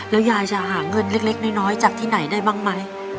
แล้วยายจะหาเงินเล็กน้อยจากที่ไหนได้บ้างไหม